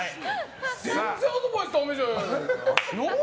全然アドバイスだめじゃん。